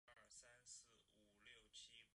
拉加尔代尔。